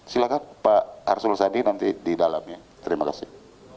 silahkan pak arsul sadi nanti di dalamnya terima kasih